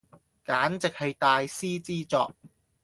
簡直係大師之作